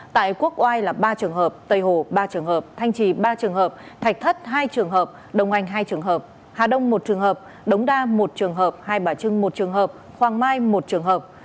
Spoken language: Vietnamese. tại quốc oai là ba trường hợp tây hồ ba trường hợp thanh trì ba trường hợp thạch thất hai trường hợp đông anh hai trường hợp hà đông một trường hợp đống đa một trường hợp hai bà trưng một trường hợp hoàng mai một trường hợp